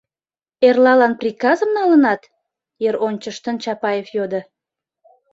— Эрлалан приказым налынат? — йыр ончыштын Чапаев йодо.